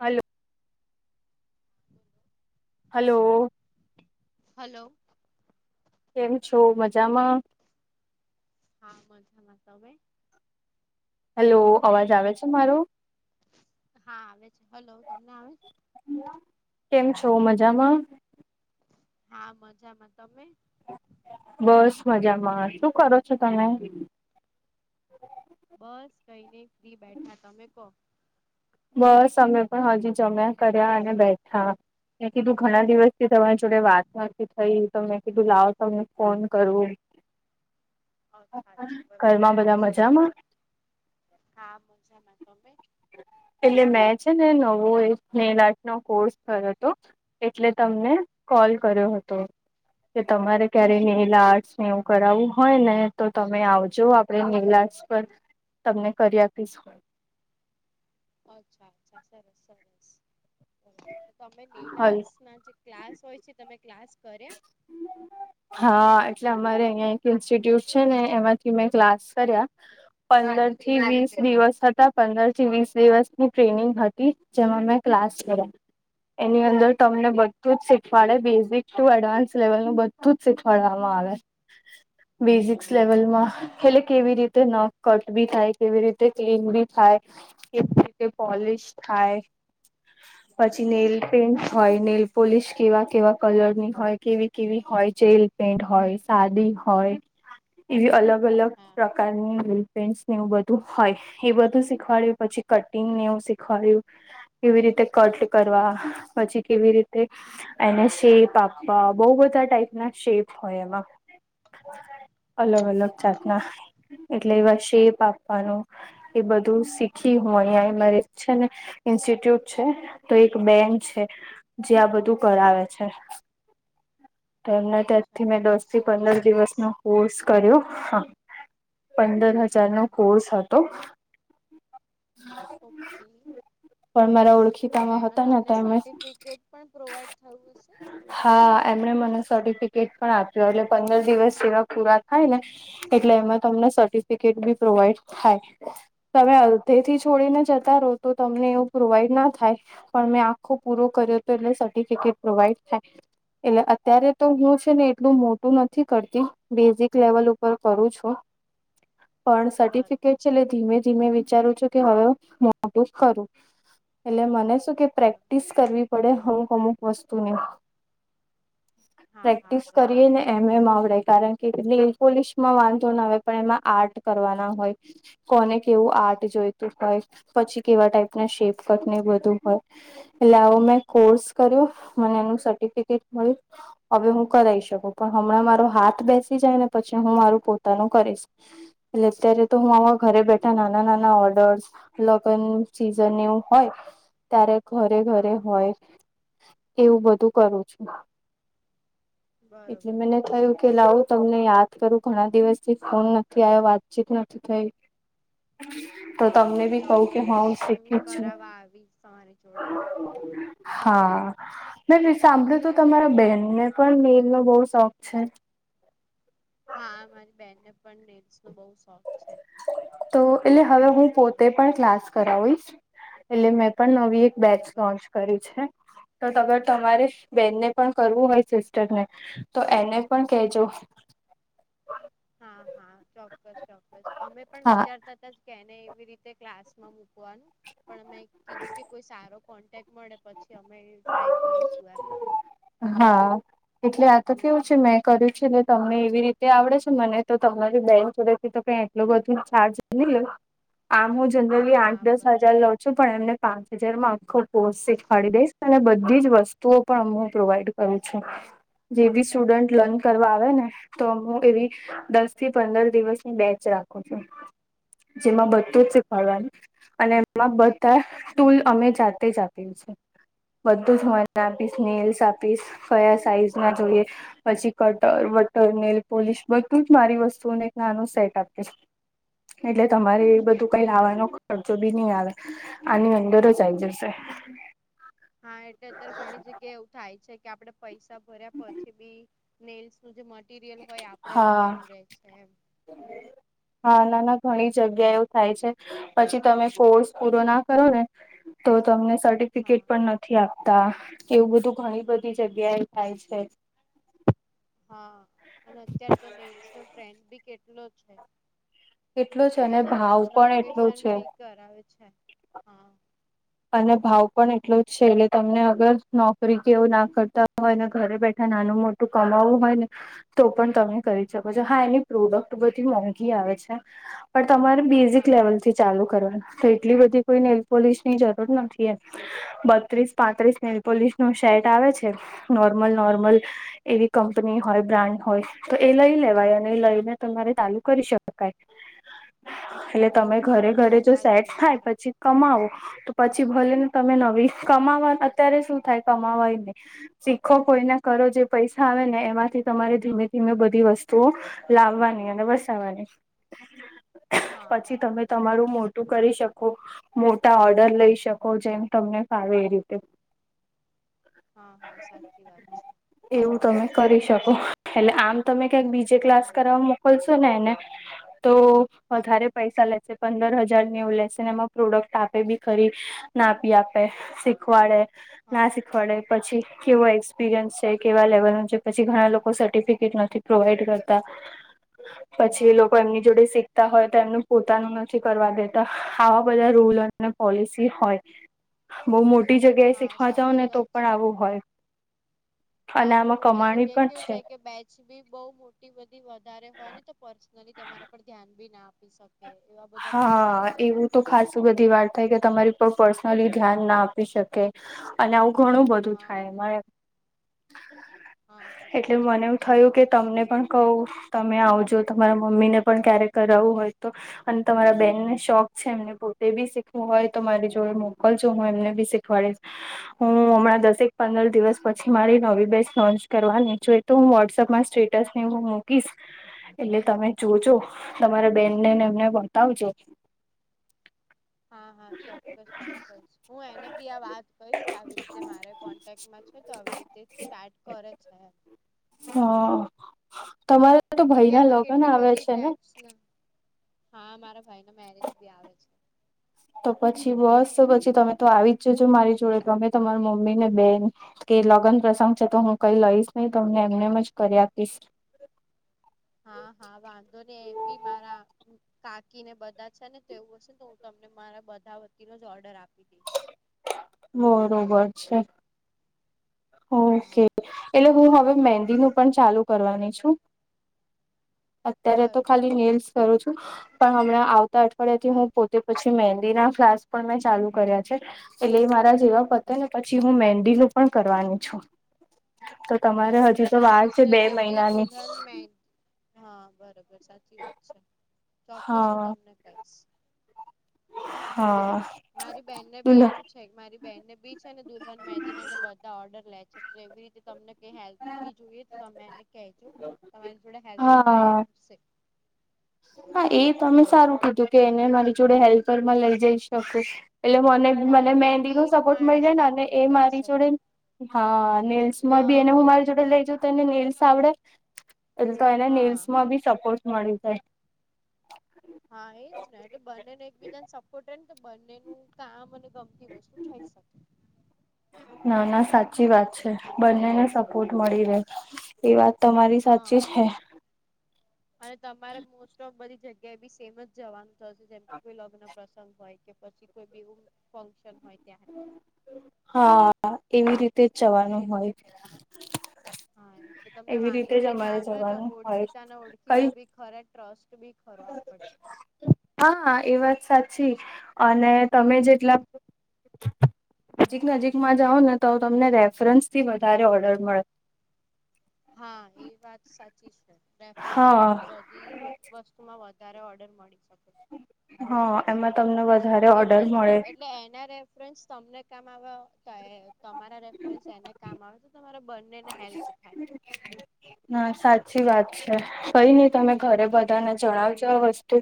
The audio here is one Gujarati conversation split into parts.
હલ્લો. [unintelligible] હલો. હલો. કેમ છો? મજામાં. હા મજામાં, તમે? હેલો અવાજ આવે છે મારો? હા આવે છે હલો તમને આવે છે? કેમ છો? મજામાં. હા મજામાં, તમે? બસ મજામાં. શું કરો છો તમે? બસ કઈ નહી ફ્રી બેઠા તમે કો. બસ અમે પણ હજી જમ્યા કર્યા અને બેઠા. મેં કીધું ઘણા દિવસથી તમારી જોડે વાત નથી થઈ તો મેં કીધું લાવ તમે ફોન કરું. અચ્છા અચ્છા બરોબર ઘરમાં બરોબર બધા શું કહો મજામાં છો આા મજામાં તમે એટલે મેં છે ને નવો સ્નેલટ નો કોર્સ કર્યો હતો એટલે તમને કોલ કર્યો હતો કે તમારે ક્યારે નીલા આર્ટને એવું કરાવવું હોય ને તો તમે આવજો આપ નીલાશ પર તમને કરી આપીશ અચ્છા અચ્છા સરસ સરસ તમે લે હલ લ ના ક્લાસ હોય છે તમે ક્લાસ કર્યા હમ હા એટલે અમારે અહં એક ઇન્સ્ટિટ્યુટ છે ને એમાંથી મેં ક્લાસ કર્યા પંદર થી વીસ દિવસ હતા પંદર થી વીસ દિવસની ટ્રેનિંગ હતી જમાં મે ક્લાસ કર્યા એની અંદર તમને બરોબર બધું જ શીખવાડે બેઝિક ટુ એડવાન્સ લેવલ નું બધું જ શીખવાડવામાં આવે બેઝિક્સ હા લેવલમાં એટલે કેવી રીતે નક કટ બી થાય કેવી રીતે ક્લીન બી થાય કે કે પોલિશ થાય પછી નેલ બરોબર પેન્ટ હોય નેલ પોલિશ કેવા કેવા કલર ની હોય કેવી કેવી હોય જેલ પેંટ હોય સાદી હોય એવી અલગ અલગ હા પ્રકાર કારની લી પેસ ને એવું બધું હોય એ બધું શીખવાડય્યું પછી કટિંગને એવું શીખવાડ્યું કેવી રીતે કટ કરવા પછી કેવી રીતે એને શેપ આપવા બઉુ બધા ટાાઈપ ના શેપ હોય એમાં અલગ અલગ હા જાતના બરોબર એટલે એવા શેપ આપવાનું એ બધું શીખી હું અહિયાં મારે છે ને ઇન્સ્ટિટ્યુટ છે તો એક બેન્ડ છે જે આ બધું કરાવે છે એમના અચ્છા ત્યાંથી મેં બરોબર દોસ થી સરસ પંદર દિવસ સરસ ન કોર્સ કર્યો હા પંદર હજારનોો હા કોર્સ હતો ઓકે પણ મારા ઓળખી તો એમાં તમને સર્ટિફિકેટ પણ પ્રોવાઈડ થયું હશે હા એમણે મને સર્ટિફિકેટ પણ આપ્યો એટલે પંદર દિવસ જેવા પૂરા થાય ને એટલે એમાં તમને સર્ટિફિકેટ બી પ્રોવાઈડ થાય તમે અડધેથી છોડીને જતા રહો તો તમને એવું પ્રોવાઈડ ના થાય પણ મેં આખો પૂરો કર્યો હતો એટલે સર્ટિફિકેટ પ્રોવાઈડ થાય એટલે અત્યારે તો હું છે ને એટલું મોટું નથી કરતી બેઝિક લેવલ ઉપર કરું છું પણ બરોબર સર્ટિફિકેટ છેલ્લે ધીમે ધીમે વિચારું છું કે હવે મોટું ખરું એટલે મને કે પ્રેક્ટિસ કરવી પડે અમુક અમુક વસ્તુને હા હા પ્રેક્ટિસ કરી બરોબર ને છે એમ એમ આવડે કારણ કે ેલ પોલિશમાં વાંધો ના આવે પણ એમાં આર્ટ કરવાના હોય કોને કેવું આર્ટ જોઈતું હોય પછી કેવા ટાઈપ ના શેપકટ ને બધું હોય એટલે આવો મેં કોર્સ કર્યો મને એનું સર્ટિફિકેટ મળ્યું હવે હું કરાઈ શકું પણ હમણાં મારો હાથ બેસી જાય ને પછી હું મારું પોતાનું કરીશ એટલે અત્યારે તો હું આવા ઘરે બેઠા નાના નાના ઓર્ડર્સ લગ્ન સિઝન એવું હોય ત્યારે ઘરે હા ઘરે હોય એવું બધું કરું છું બરોબર એટલે મને બરોબર થયું કે લાવું તમને યાદ કરું ઘણા દિવસથી ફોન નથી આવ્યો વાતચીત નથી થઈ હમ [inaudible] તો તમને ચોક્કસ બી કહું કે ચોક્કસ હા હું શીખી જ છું. કરાવવા આવીશ તમારી જોડે હા મે સાંભળ્યુ તો તમારા બેહેનને પણ નેલ નો બહુ શોખ છે. હા મારી બેહેનને પણ નેલ્સ નો બહુ શોખ છે. તો એટલે હવે હું પોતે પણ ક્લાસ કરાવીશ એટલે મેં પણ ન એક બેચ બરોબર લોન્ચ કરી છે. તો તગર તમારે બેનને પણ કરવું હોય સિસ્ટર ને તો એને પણ કેજો. હા હા ચોક્કસ ચોક્કસ અમે પણ હા વિચારતા હતા કેને એવી રીતે ક્લાસ મા મૂકવાનું પણ મેં કીધું કે કોઈ સારો કોન્ટેક્ટ મળે પછી અમે એ ટ્રાય કરીશું એમ. હા. એટલે આ તો કેવું છે મેં કર્યું છે એટલે તમને એવી રીતે આવડે છે મને તો તમારી બેન જોડે એ તો કઈ એટલો બધો ચાર્જ નહી લ્યો. આમ હું જનરલી હા આઠ દસ બરોબર હજાર લઉ છું પણ એમને પાંચ હજાર માં આખો કોર્સે ખાડી દઈશ અને બધી જ વસ્તુઓ પણ હુ પ્રોવાઈડ કરું છું જેવી સ સ્ટુડન્ટ લર્ન બરોબર કરવા આવે ને તો હું એવી દસ થી પંદર દિવસની બેચ રાખું છું. જેમાં બધું જ બરોબર શીખવાડવાનું. અને એમાં બધા ટૂલ અમે જાતે જ આપ્યે છે. બધું જ મને આપીશ નેલ્સ આપીશ કયા સાઈઝ ના જોઈએ પછી કટર વટર નેલ પોલિશ બધું જ મારી વસ્તુઓને એક નાનું સેટ આપીશ. એટલે તમારે અચ્છા બધું કંઈ બરોબર લાવાનો ખર્ચો બી નહી આવે આની અંદર જ આઈ જશે. હા એટલે અત્યારે ઘણી જગ્યા એવું થાય છે કે આપણેે પૈસા ભર્યા પછી બી નેલ્સ નું જે મટીરિયલ હોય આપડે હા લાવવાનું રહેે છે એમ. હા ના ના ઘણી બરોબર છે. જગ્યાએ એવુ થાય છે પછી તમે કોર્સ પૂરો ના કરો ને તો તમને સર્ટિફિકેટ હા પણ નથ થી આપતા એવું બધું ઘણી બધી જગ્યા એ થાય છે. હા અને અત્યાર તો નેલ્સ નો ટ્રેન્ડ બી કેટલો છે. કેટલો છે અને બધા નાના ભાવ નાના પણ એટલો ઓકેશન છે પી કરાવે છે હા. અને ભાવ પણ એટલો જ છે એટલે તમને અગર નોકરી કેવું ના કરતા હોય અને ઘરે બેઠા નાનું મોટ ટુ કમાવુ હોય ને તો પણ તમે કરી શકો છો હા એની પ્રોડક્ટ બધી મોંઘી આવે છે. પણ તમારે બેઝિક હા. લેવલ થી ચાલુ કરવાનું તો એટલી બધી કોઈ નેલપોલિશની જરૂર નથી એમ. બત્રીસ પાંત્રીસ નેલપોલીસ નું શેટ આવે છે નોર્મલ નોર્મલ. એવી કંપની હોય બ્રાન્ડ હોય. તો એ લઈ લેવાય અને એ લઈને તમારે ચાલુ કરી શકાય. એટલે તમે ઘરે હા ઘરે જો સાચી સેટ વાત થાય છે પછી કમાવો. તો પછી ભલે ને તમે નવી કમાવા અત્યારે શું થાય કમાવાય ને. શીખો કોઈના કરો જે પૈસા આવે ને એમાંથી તમારે ધીમે ધીમે બધી વસ્તુઓ લાવવાની અને વસાવાની હા પછી હા તમે બરોબર તમારું છે. મો ટુ કરી શકો મોટા આ ર્ડર લઈ શકો જેમ તમને ફાવે એ રીતે. હા હા સાચી વાત છે. એવું તમે કરી શકો એટલે આમ તમે ક્યાંક બીજે ક્લાસ હા કરવા મોકલશો તો ને ને તો હા વધારે પૈસા લે છે. પંદર હજાર એવું લેશે ને એમાં પ્રોડક્ટ આપે બી ખરી ના બી આપે શીખવાડે ના હા શીખ વાડે પછી કેવો એક્સપિરિયન્સ છે કેવા લેવલ નું છે પછી ઘણા લોકો સર્ટિફિકેટ નથી પ્રોવાઈડ કરતા પછી એ હા લોકો એમની જોડે શીખ તા હોય તો એમનું પોતાનું નથી કરવા દેતા આવા બધા રૂલ ને પોલિસી હોય બવ મોટી જગ્યાએ હા શીખવા જાઓ સાચી ને તો વાત પણ છે. આવું હોય. હા અને આમાં મોટી કમાણી જગ્યાએ પણ કેવું છે થાય કે બેચ શીબીર બહુ મોટી બધી વધારે હોય ને તો પર્સનલી તમારા પર ધ્યાન બી ના આપી શકે. એ એવા બધા પ્રોબ્લેમ હા થતા એવું હોય તો છે. ખાસું બધી વાત થાય કે તમારી પર પર્સનલી ધ્યાન ના આપી શકે. અને આવું ઘણું બધું હા થાય મારે હા હા એટલે સાચી મને એવું વાત છે થયું કે તમને પણ કવ તમે આવજો તમારા મમ્મીને પણ ક્યારેક કરાવવું હોય તો? અને તમારા બેનને શોખ છે એમને પોતે બી શીખવું હોય તો મારી જોડે મોકલજો હું એમને બી શીખવાડીશ. હું હમણાં દસેક પંદર દિવસ પછી મારી નવી બેન્ચ લોન્ચ કરવાની છે. તો હું વોટ્સઅપમાં સ્ટેટસ ને હું મૂકીશ એટલે તમે જોજો તમારા બેનનેને એમને બતાવજો. હા હા ચોક્કસ ચોક્કસ હું એને બી આ વાત કહીશ કે આવી રીતે મારા કોન્ટેક્ટમાં છે તો આવી રીતે સ્ટાર્ટ કરે છે. [inaudible] હા તમારે તો કેમકે, ભાઈના આમાં લગ્ન કેટલી આવે બધી છે ને ટાઈપ્સ ના. હા, મારા ભાઈ ના મેરેજ બી આવે છે. તો પછી બસ પછી તમે તો આવી જ જજો મારી જોડે તો તમારી મમ્મી ને બેન કે લગ્ન પ્રસંગ છે તો હું કઈ લઈશ નહી તો અમને એમનેમ જ કરી આપીશ. હા હા વાંધો ને એમ બી મારા કાકી ને બધા છે ને તેવું હશે તો હું તમને મારા બધા વતીનો જ ઓર્ડર આપી દઈશ. બરોબર છે. હા ઓકે એટલે હું હવે મેંદી નું પણ ચાલુ કરવાની છું. અત્યારે તો બરોબર ખાલી નેઈલસ કરું છું પણ હમણાં આવતા અઠવાડિયા થી હા હું પોતે પછી મેંદીના ક્લાસ પણ મેં ચાલુ કર્યા છે. એટલે મારા જેવા પતે ને પછી હું મેંદી નું પણ કરવાની છું. તો તમારે બર હજી તો મારી વાર છે બે સિસ્ટરને બી મહિનાની દુલ્હન મે હા બરોબર સાચી વાત છે ચોક્કસ હું હા તમને કહીશ હ મારી બેનને બી એવું. છે મારી બેહેનને બી છે ને દુલ્હન મેંદીને બધા ઓર્ડર લે છે એટલે એવી રીતે તમને કાય હેલ્પ બી જોઈએ તો તમે એને કહેજો તમારી જોડે હેલ્પર માં એ હા આવશે. હા એ તમે સારું કીધું કે એને મારી જોડે હેલ્પર માં લઈ જઈ શકુ. એટલે મને હા મને કેમ કે મહેંદી નો એક સપોર્ટ મળી માણસ જાય ને ના અને પૂરી એ કરી મારી શકે જોડે હા નેલ્સમાં બી હા એને હું મારી જોડે લઈ જાઉ તો એને નેલ્સ આવડે? એટલે તો એને હા નેઇલ્સ માં બી સપોર્ટ મળી જાય હા એજ ને એટલે બંને ને એકબીજાને સપોર્ટને બંનેનું કામ અને ગમતી વસ્તુ થઈ શકે? ના ના સાચી વાત છે બંનેને સપોર્ટ મળી રહે એ વાત તમારી હા સાચી છે. અને તમારે મોસ્ટ ઓફ બધી જગ્યાએ બી સેમ જવાનું થશે જેમ કે કોઈ લગ્ન. પ્રસંગ હોય કે પછી કોઈ બી એવું ફંક્શન હોય ત્યારે હા એવી રીતે જ જવાનું હોય. હા એટલે તમને એવી રીતે વાંધો જ બી ના અમારે આવે ને જવાનું હોય ઓળખીતા ને ઓળખીતા કઈ બી. ખરે કે ટ્રસ્ટ બી ખરો આપણને હા એ વાત સાચી અને તમે જેટલા નજીક નજીક માં જાવ ને તો તમને રેફરન્સ થી વધારે ઓર્ડર મળે. હા એ વાત સાચી છે રેફરન્સ હા તમને બ [unintelligible] વસ્તુમાં વધારે ઓર્ડર મળી શકે છે હા એમાં તમને [inaudible] એટલે જ ને મળે એટલે એના રેફરન્સ તમને કામ [inaudible] તમારા રેફરન્સ એને કામ આવે તો તમારા બંનેને હેલ્પ થાય [inaudible] હા સાચી વાત છે કઈ નઈ તમે ઘરે બધાને જણાવજો આ વસ્તુ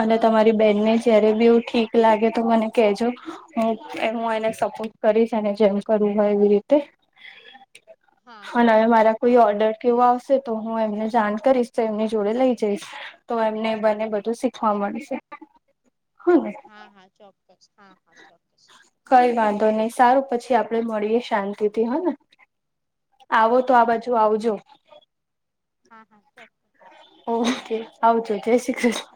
અને હા હા તમારી બેનને ચોક્કસ જયારે બી ચોક્કસ એું ઠીક લાગે તો મને કજો હ એ હું એને સપોર્ટ કરીશ અનેને જેમ કરવું હોય એવી રીતે હા હા અને હવે મારા કોઈ ચોક્કસ ઓર્ડર ચોક્કસ કેવો આવશે તો હું એમને જાણ કરીશ તો એમની જોડે લઈ જઈશ તો એમને બને બધું શીખવા મળશે હ ને હા હા ચોક્કસ હા હાોક્કસ કઈ વાંધો નહી સારું પછી આપડે મળીએ શાંતિથી હને આવો હા તો હા આ બાજુ ચલો આવજો હા હા ચો ઓકે આવજો જય શ્રી કૃષ્ણ